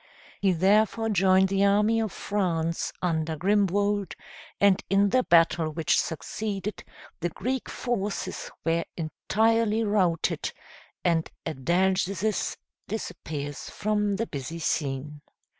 He therefore joined the army of France under Grimwold, and in the battle which succeeded the Greek forces were entirely routed, and Adalgisus disappears from the busy scene.